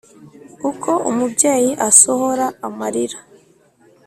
Uko umubyeyi asohora amalira